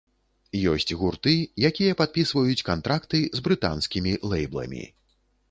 Ёсць гурты, якія падпісваюць кантракты з брытанскімі лейбламі.